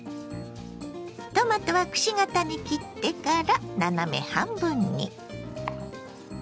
トマトはくし形に切ってから斜め半分に。